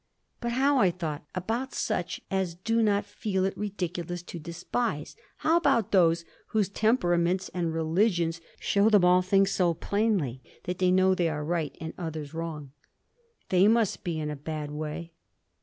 "But how"—I thought "about such as do not feel it ridiculous to despise; how about those whose temperaments and religions show them all things so plainly that they know they are right and others wrong? They must be in a bad way!"